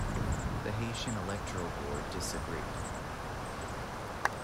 The Haitian Electoral Board disagreed.